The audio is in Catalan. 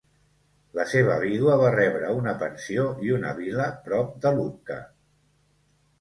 La seva vídua va rebre una pensió i una vila prop de Lucca.